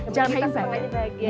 jangan high impact ya